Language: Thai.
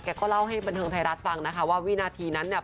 ก็เล่าให้บันเทิงไทยรัฐฟังนะคะว่าวินาทีนั้นเนี่ย